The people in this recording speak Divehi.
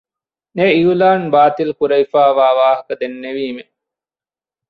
އެ އިއުލާން ބާތިލްކުރެވިފައިވާ ވާހަކަ ދެންނެވީމެވެ.